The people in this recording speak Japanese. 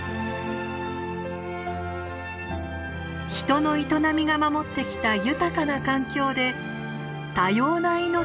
人の営みが守ってきた豊かな環境で多様な命が育まれています。